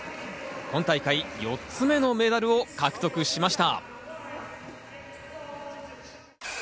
今大会４つ目のメダルを獲得しました。